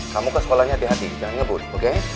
kamu ke sekolahnya hati hati jangan ngebus oke